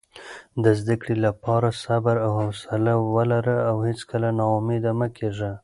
د زده کړې لپاره صبر او حوصله ولره او هیڅکله نا امیده مه کېږه.